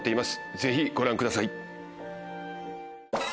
ぜひご覧ください。